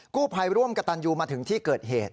กู้ภัยร่วมกับตันยูมาถึงที่เกิดเหตุ